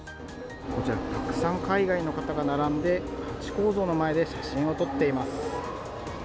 たくさん、海外の方が並んで、ハチ公像の前で写真を撮っています。